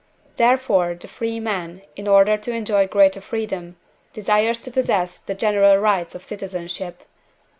Therefore the free man, in order to enjoy greater freedom, desires to possess the general rights of citizenship.